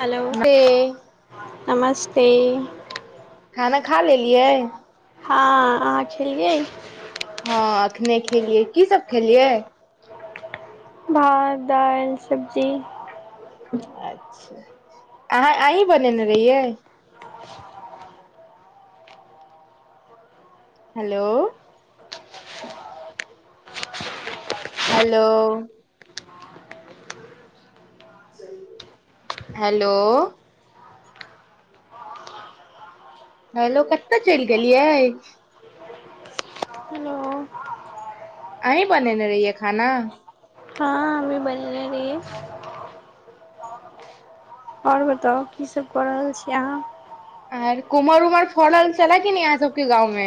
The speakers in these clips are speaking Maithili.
हेलो से नमस्ते। खाना खा लेलियै? हँ, अहाँ खेलियै? हँ, एखने खेलियै। कीसभ खेलियै? भात, दालि, सब्जी। अच्छा, अहाँ अहीँ बनेने रहियै? [unintelligible] हेलो हेलो हेलो हलो, कत्तऽ चलि गेलियै? हेलो अहीँ बनेने रहियै खाना? हँ हमे बनेने रहियै और बताउ, कीसभ कऽ रहल छी अहाँ? आर कुमहर-उमहर फड़ल छलए कि नै अहाँ सबके गाँंवमे?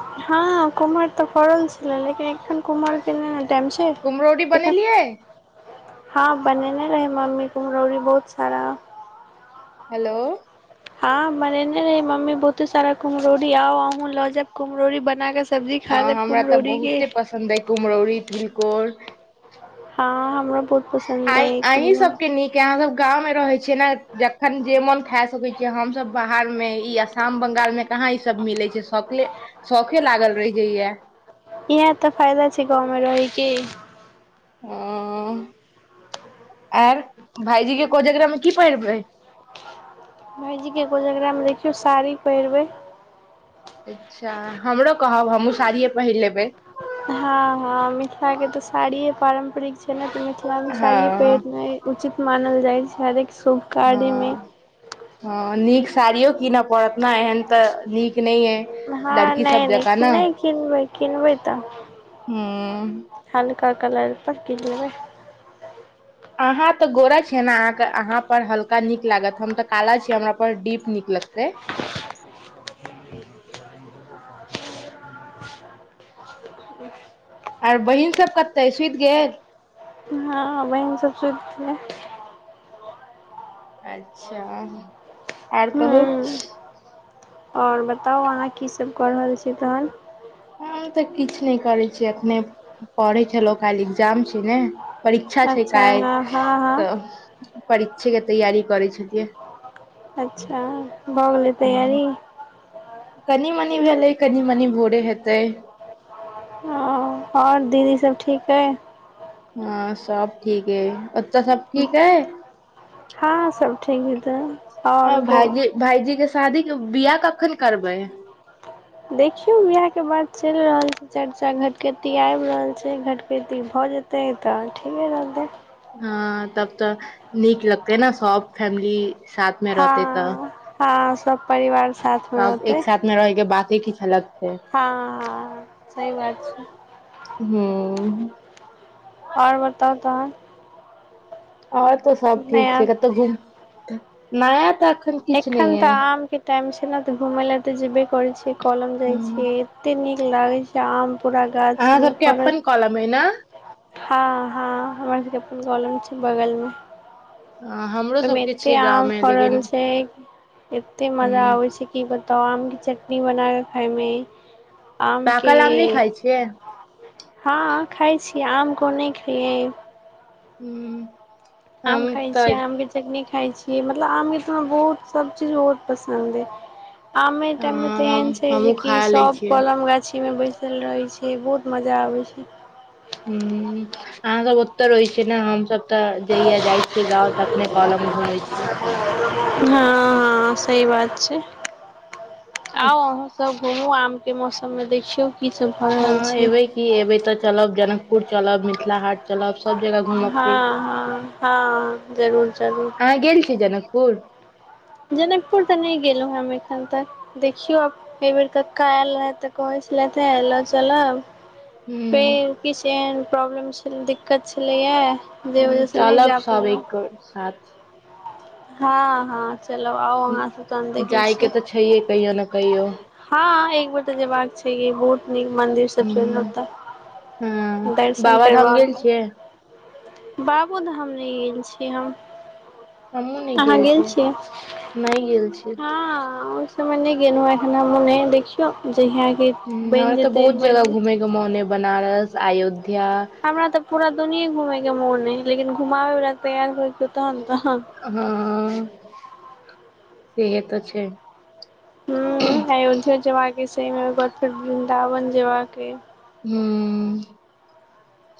हँ, कुम्हर तऽ फरल छलै लेकिन एखन कुम्हरके नहि ने टाइम छै कुम्हरौरी एखन बनेलियै? हँ, बनेने रहै मम्मी कुम्हरौरी बहुत सारा। हेलो हँ, बनेने रहै मम्मी बहुते सारा कुम्हरौरी। आउ अहूँ लऽ जाएब कुम्हरौरी बना के स्- सब्जी खा हँ लेब हमरा तऽ कुम्हरौरीके। बहुते पसन्द अइ कुम्हरौरी, तिलकोर। हँ, हमरो आइ अहीँ सबके नीक अइ। अहाँसब गाँव मे रहै छियै ने। जखन जे मोन खा सकै छियै। हमसभ बाहरमे ई आसाम-बंगाल मे कहाँ ईसब मिले छै शौकले शौखे लागल रहि जाइए। इएह तऽ फायदा छै गाँवमे रहयके। हँ, आर भईजी के कोजगरामे की पहिरबै? भाईजीके कोजगरामे देखियौ साड़ी पहिरबै। अच्छा, हमरो कहब हमहूँ साड़िए पहिर लेबै। हँ हँ, मिथिलाके तऽ साड़िये पारम्परिक छै ने तऽ मिथिलामे साड़िये हँ पहिरनाइ उचित। मानल जाइ छै हरेक सुकाडमे ह नीक साड़ियो कीनय पड़त ने एहन तऽ नीक नहि अे। हँ नहि नहि नहि किनबै किनबै त ह। हलका कलर पहिर के जेबै। अहाँ तऽ गोरा छियै ने अहाँके अहाँपर हल्का नीक लागत। हम तऽ काला छियै, हमरापर डीप नीक लगतै। आर बहिनसब कतय अइ? सुति गेल? नै, हमसब सूट नै अच्छा, आर कहू। हूँ आओर बताउ अहाँ की सब कऽ रहल छी तहन। हम तऽ किछु नहि करैत छीियै एखने पढ़ै छलहु खाल एग्जाम छै ने। परीक्षा छै अच्छा काय हँ हँ त हँ परीक्षे के तैयारी करै छथिियै। अच्छा भऽ गेलै तैयारी। कनि मनी भेलै कनि मनी भोरे हेतै। हँ आओर दीदी सब ठीक हइ। हँ सब ठीकीक है ओ तऽ सब ठीक है। हँ सब ठीक ही तऽ। हँ आओर गो भाजी भाजीे शादी के बिआ कखन करबै। देखियौ बिआहके बात चलि रहल छै चर्चा घटकटी आबि रहल छै घटकटी भऽ जेतै तऽ ठीके रहतै। ह तब तऽ नीक लगते न सब फैमिली साथ मे रहतै तऽ हँ ह सब परिवार साथमे सब रहतै एक साथ मे रहके बात देखी छलेलक। हँ सही बात छै। हू। आओर बताउ त आओर कौ सब ठीक छै कतौ घूम नाया त एखन तऽ आम के टाइम छै ने तऽ घुम लए तऽ जेबे करै छिय कलम जाइ हूँ छिय एते नीक लागै छै आम पूरा गाछ अहाँ सब मे सबके फड़ल अपन कलम अइ ने हँ ह हमरा सबके फूल कलम छै। बगलमे। हमरो ओहिमे सबके एते छै गाँव आम मे फड़ल लेकिन छै एते मजा हूँ आबे छै की बताउ आम चटनी बना कऽ खाइमे। पक ल आम नहि खाय छिय। हँ खाइ आम कोनेकेियए हू आम खाइ छीियै आम भी चटनी खाइ छियै मतलब आमके तऽरा बहुत सभचीज बहुत पसन्द अइ। आमे टाइम में हँ, ते हम एहन छै हमहुँ जेकि खा लै सब छियै कलम गाछी मे बैसल रहे छै। से बहुत मजा आबै छै ह अहाँ सब ओते रहै छियै ने हमसभ तऽ जहिया जाइ छीयै गाव त अपने कलम घूमेै छियै हँ हँ सही बात छै हँ आउ अहूँसब हमूँ आमके मौसममे दै छियौ हँ अबै की एबै तऽ चलब जनक पुर ुर चलब मिथिला हाट चलब सब जगह घूमब की हँ हँ हँ जरूर जरूर फूल जनकपुर तऽ नहि गेलहुँ ह हम एखन तक देखियौ आब एहि बेेर कक्का आयल रहै तऽ कहै छलथिे एयलह चलह ह पेन किछन प्रॉब्लम छल दिक्कत छलैये ह चलब सब एक साथ हँ हँ चलब आउ अहाँ सब तहन देखै जाइ के छियै तऽ छैहे कहियो ने कहियो हँ एक बेेर तऽ जेबाक छै बहुत नीक मंदिर सब ह छै ओतऽ हँ बाबा धाम गेल छियै बाबा धाम नहि गेल छिय हम अहाँ गेल छियै नहि गेल छी हँ मने गेलहु ह अपना मोने देखितो हर तऽ बहुत जगह घूमेैके मोन अय बनारस अयोध्या हमरा तऽ पूरा दुोनिे घूमेय के मोन है लेकिन घुममेे वलाा तैयार होते तहन तऽ हँ सेहे तऽ छै हू अयोध्या जेबाके समेके बाद फेर वृन्दावन जेबाके हू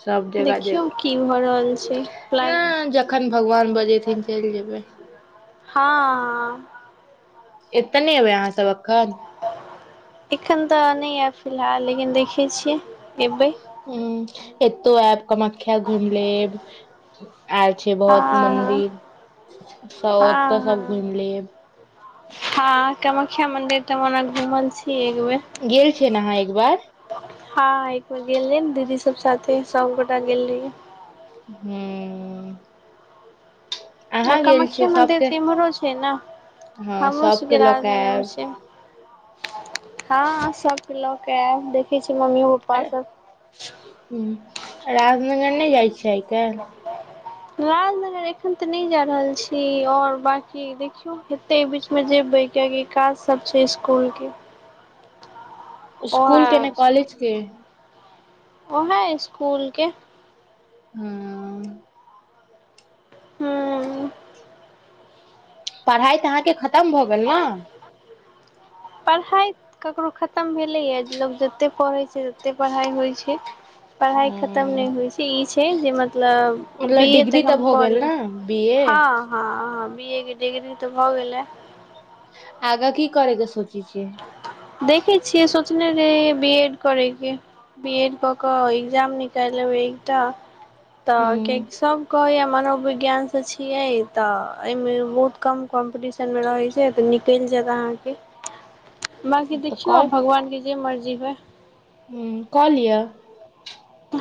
सभ जगह देखियौ की भऽ रहल छै जेबै प्लान नहि जखन भगवान बजेथिन चलि जेबै हँ एत नई एबै अहाँ सब एखन एखन त न ऐब फिलहाल लेकिन देखे छीये एबे ह एतौ आयब कामाख्या घुमि लेब आयल छै हँ बहुत मन्दिर सब हँ ओतऽ हँ सब घुमि हँ लेब हँ कामाख्या मंदिर त हम ओना घुमल छीये गेल छियै ने अहाँ एक बार हँ एकबर गेल रहिए न दीदी स सब साथे सभगोटा मिल लिय हू आ कामाख्ष्या मन्दिर त इम्हरो छै ने हँ हमरो सभके सबके लऽ के राजनगरमे आयब छै हँ आहां सबके ल कऐब देखै छी मम्मी पप्पा र सब ह राजनगर नहि जाइ छी से राजनगर एखन तऽ नहि जा रहल छी आओर बाँकी देखियौ हते बीचमे जेबै कियकि काज सब छै इसकुलके स्कूल के ने कॉलेजके उएह इसकुलके हँ हुँ त पढ़ाइ तऽ अहाँके खतम भऽ गेल ने पढ़ाइ ककरो खतम भेलैए लोक जतेक पढ़ैत छै ततेक पढ़ाइ होइत छै पढ़ाइ खतम हँ, नहि होइ छै ई छै जे मतलब बी मतलब ए डिग्री तक तऽ हम भऽ कऽ गेल ने लेलो बी ए हँ हँ बी ए के डिग्री तऽ भऽ गेलै आगाँ की करेग सोची देखै छियै स ने रे बी एड करेके बी एड कऽ कऽ एकग्जाम निकालेबै एकटा तऽ कि ह सभ कह मनोविज्ञानसँ छियै तऽ एहिमे बहुत कम कॉम्पीटिशनमे रहै छै तऽ निकलि जायत अहाँके बांकी तऽ देखियौ आब भगवान के जे मर्जी होइ ह क लिअ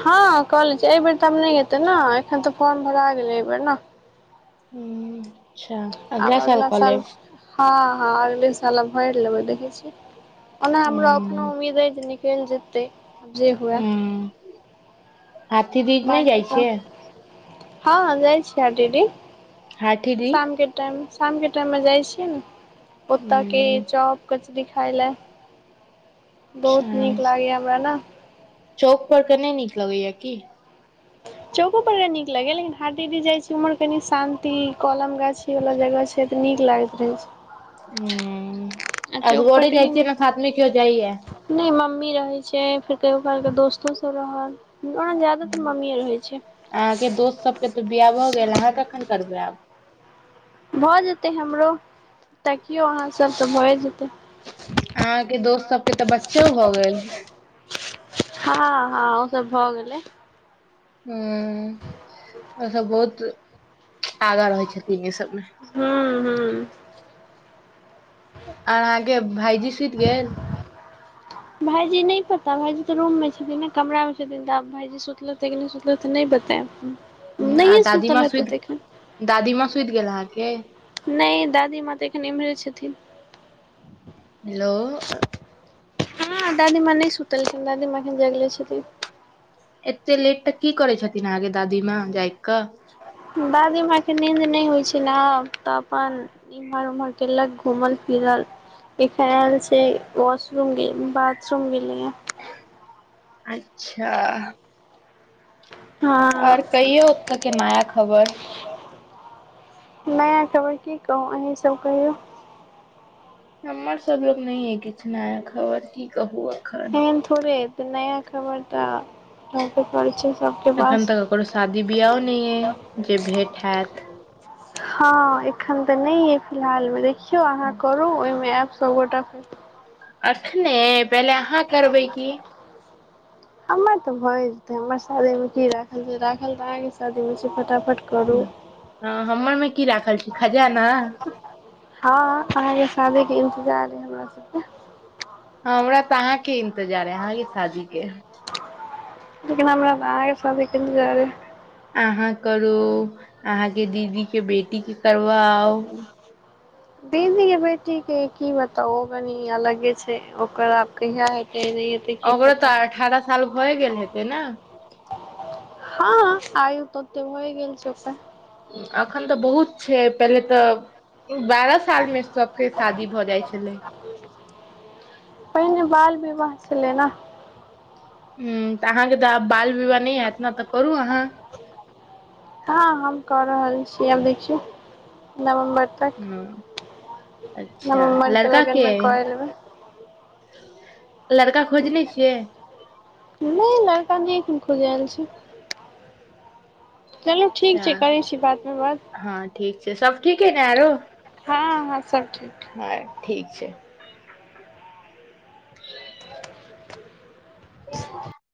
हँ कॉलेज एहिबेर तऽ आब नहि हेतै ने एखन तऽ फॉर्म भरा गेलै एहिबेर ने हू अच्छा अगला साल कऽ लेब हँ हँ अगले सालमे भरि लेबै देखै छी ओना हूं हमरा अपनो उमीद ज केञजतै जे हुए हाटी दिस नई बाँकी जाइ तऽ छियै हँ जाइ छी आ दीदी हाथी दीज शामके टाइम शामके टाइममे जाइ छियै ने ओ त के हूं चॉप कचरी खाय लए बहुत अच्छा नीक लागैया हमरा न चौक पर का नई नीक लगैया की चौको परका नीक लगै लेकिन हाटीडी जाइ छी उम्हर कनि शान्ति कलम गाछी वाला जगह छै तऽ नीक लागैत रहै छै हू आ असगरे चौकपर जाइ कनि छियै की साथ में कियो जाईए मी रहे छै फेर कहियो काल के दोस्तो सब रहल ओना जादातर मम्मीए रहै छै अहाँके दोस्त सबके तऽ बियाह भऽ गेल अहाँ कखन करबै आब भऽ जेतै हमरो तकियो अहाँसभ तऽ भए जेतै अहाँके दोस्त सबके तऽ बचो भऽ गेल हँ हँ ओसभ भऽ गेलै ह ओ सब बहुत आगाँ रहै छथिन ई सबमे हूँ हूँ आर अहाँके भाईजी सुति गेल भाइजी नहि पता भाइजी तऽ रूममे छथिन ने कमरामे छथिन तऽ आब भाइजी सुतलेतै कि नहि सुतलै नहि पता अय ह आ दादीमा सुइत दादीमा सुईत गेल आहा के के नहि दादीमा तऽ एखन इमहरे छथिन हेलो हँ दादीमां नहि सुतलखिन दादीमां एखन जागले छथिन एते लेट तऽ की करै छथिन अहाँकेे दादीमााँ जाइ कऽ दादीमा के नींद नय होइ छै न आ तऽ अपन इम्हर उम्हर केलक घूमल फिरल एखन आयल छै वाशरूम बाथरूम गेले ह अच्छा आर हँ कहियौ ओत्तऽ के नया खबर। नया खबर की कहू। अहीँसभ कहियौ। हमर सब लग नै अइ किछु नया खबर, की कहू आब। एहेन थोड़े तऽ नया खबर तऽ रहबे करै छै। सबके एखन पास तऽ ककरो शादी बिियो नहि अ जे भेट होत हँ एखन तऽ नय अय फिलहाल में [unintelligible] अहाँ करू ओहिमे ऐब सभगोटा फेर अखने पहिले अहाँ करबै की। हमर तऽ भए जेतै। हमर शादीमे की राखल छै। राखल तऽ अहाँके शादीमे छै। फटाफट करू हँ, हमरमे की राखल छै? खजाना? हँ अहाँके शादीके इन्तजार अइ हमरा सबके। हमरा त अहाँके इन् इन्तजार अइ अहाँके शादीके। लेकिन हमरा त अहाँके शादीके इंतजार अइ। अहाँ करू। अहाँके दीदीके बेटीके करवाउ। दीदीके बेटीके की बताउ। ओ कनी अलगे छै। ओकर आब कहिया हे ओकरो तऽ अठारह साल भए गेल हेतै न? हँ हँ, आयु त ओत्ते भए गेल छै ओकर। एखन तऽ बहुत छै। पहिले तऽ बारह सालमे सबके शादी भऽ जाइ छलै। पहिने बाल-विवाह छलै न। ह्म। तऽ अहाँके तऽ आब बाल विवाह नै हैत ने, तऽ करू अहाँ। हँ हम कऽ रहल छी। आब देखियौ, नवम्बर ह्म। नबम्बर के लगनमे कऽ ए लेबै। त लड़का खोजने छियै? नै, लड़का नै एखन खोजाएल छै। चलू, ठीक अच्छा छै। करै छी बादमे बात। से सब ठीक अइ ने आरो? हँ हँ, सब ठीक हँ ठाक। ठीक छै। [inaudible]